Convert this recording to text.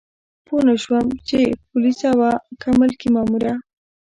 پوه نه شوم چې پولیسه وه که ملکي ماموره.